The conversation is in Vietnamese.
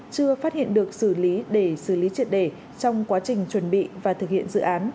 chưa phát hiện được xử lý để xử lý triệt đề trong quá trình chuẩn bị và thực hiện dự án